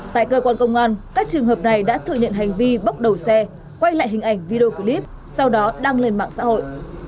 tại cơ quan công an các trường hợp này đã thừa nhận hành vi bốc đầu xe quay lại hình ảnh video clip sau đó đăng lên mạng xã hội